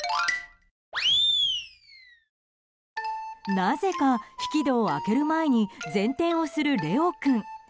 なぜか、引き戸を開ける前に前転をするレオ君。